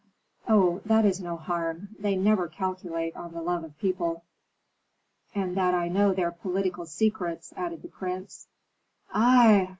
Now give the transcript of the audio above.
"Oh, that is no harm. They never calculate on the love of people." "And that I know their political secrets," added the prince. "Ei!"